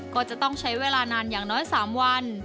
ก็จะต้องใช้เวลานานอย่างน้อย๓วัน